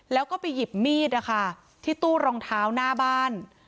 แล้วก็ไปหยิบมีดนะคะที่ตู้รองเท้าหน้าบ้าน